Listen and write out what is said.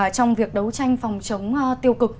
trong việc đấu tranh phòng chống tiêu cực